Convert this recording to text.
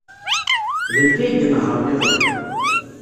D nekk ay inehṛen iḍelli.